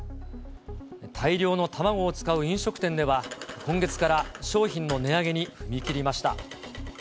大量の卵を使う飲食店では、今月から商品の値上げに踏み切りました。